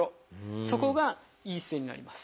そこがいい姿勢になります。